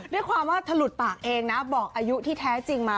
ด้วยความว่าถลุดปากเองนะบอกอายุที่แท้จริงมา